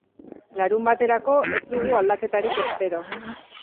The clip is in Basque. Larunbaterako ez dugu aldaketarik espero.